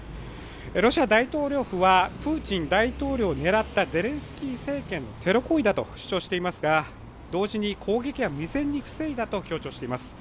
ロシア大統領府は、プーチン大統領を狙ったゼレンスキー政権のテロ行為だと主張していますが、同時に攻撃は未然に防いだと強調しています。